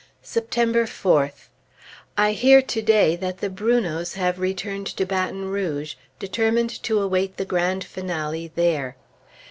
September 4th. I hear to day that the Brunots have returned to Baton Rouge, determined to await the grand finale there.